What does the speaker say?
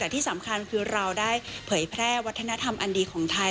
แต่ที่สำคัญคือเราได้เผยแพร่วัฒนธรรมอันดีของไทย